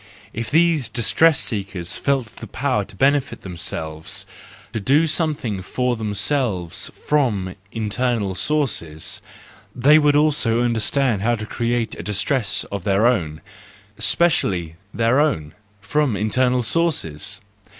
If these distress seekers felt the power to benefit themselves, to do something for themselves from internal sources, they would also understand how to create a distress of their own, specially their own, from internal sources.